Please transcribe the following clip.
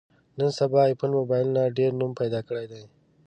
نن سبا ایفون مبایلونو ډېر نوم پیدا کړی دی.